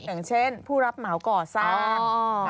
อย่างเช่นผู้รับเหมาก่อสร้าง